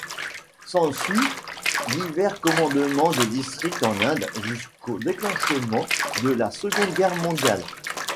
S'ensuit divers commandements de district en Inde jusqu'au déclenchement de la Seconde Guerre mondiale.